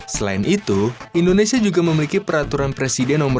selain itu indonesia juga memiliki peraturan presiden nomor dua